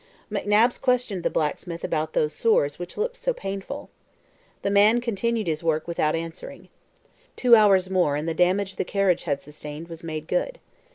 McNabbs questioned the blacksmith about those sores which looked so painful. The man continued his work without answering. Two hours more and the damage the carriage had sustained was made good.